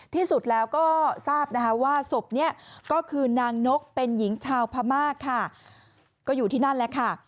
ที่สุดแล้วก็ทราบนะคะว่าศพนี้ก็คือนางนกเป็นหญิงชาวพม่าค่ะก็อยู่ที่นั่นแหละค่ะ